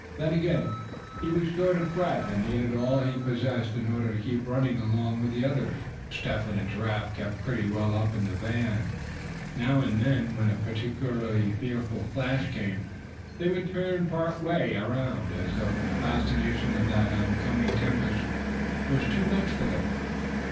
Then again, he was short of breath, and needed all he possessed in order to keep running along with the others. Step Hen and Giraffe kept pretty well up in the van. Now and then, when a particularly fearful flash came they would turn part way around, as if the fascination of that on coming tempest were too much for them.